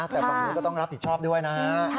แล้วก็ต้องรับผิดชอบด้วยนะฮะ